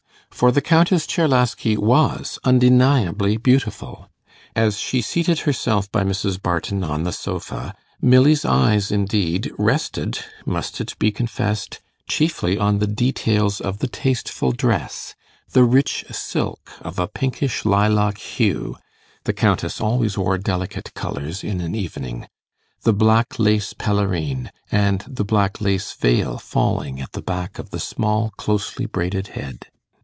For the Countess Czerlaski was undeniably beautiful. As she seated herself by Mrs. Barton on the sofa, Milly's eyes, indeed, rested must it be confessed? chiefly on the details of the tasteful dress, the rich silk of a pinkish lilac hue (the Countess always wore delicate colours in an evening), the black lace pelerine, and the black lace veil falling at the back of the small closely braided head.